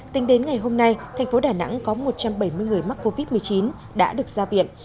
tính đến ngày hôm nay thành phố đà nẵng có một trăm bảy mươi người mắc covid một mươi chín đã được ra viện